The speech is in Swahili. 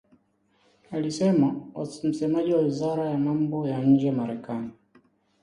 alisema msemaji wa wizara ya mambo ya nje Marekani